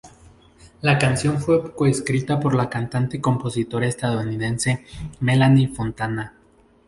La canción fue coescrita por la cantante y compositora estadounidense Melanie Fontana.